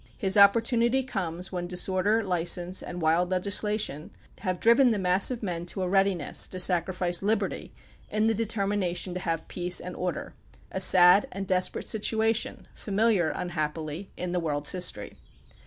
His opportunity comes when disorder, license, and wild legislation have driven the mass of men to a readiness to sacrifice liberty in the determination to have peace and order, a sad and desperate situation, familiar, imhappily, in the world's history.